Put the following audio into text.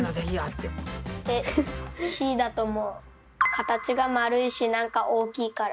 形が丸いし何か大きいから。